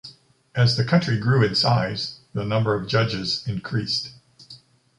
As the country grew in size, the number of judges increased.